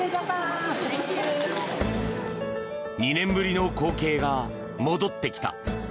２年ぶりの光景が戻ってきた。